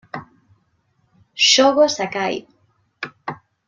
Shogo Sakai